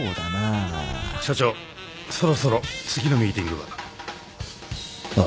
社長そろそろ次のミーティングが。ああ。